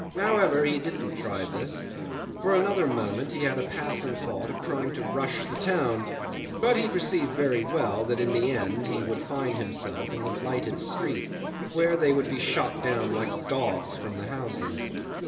However, he didn't try this. For another moment he had a passing thought of trying to rush the town, but he perceived very well that in the end he would find himself in the lighted street, where they would be shot down like dogs from the houses.